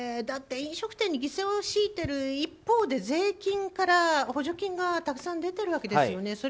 だって飲食店に犠牲を強いている一方で税金から補助金がたくさん出てるわけですよね。